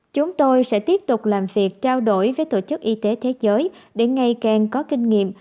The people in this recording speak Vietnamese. chúng tôi sẽ tiếp tục làm việc trao đổi với tổ chức y tế thế giới để ngày càng có kinh nghiệm